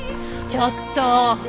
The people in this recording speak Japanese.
ちょっと！